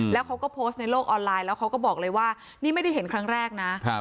แล้วเขาก็โพสต์ในโลกออนไลน์แล้วเขาก็บอกเลยว่านี่ไม่ได้เห็นครั้งแรกนะ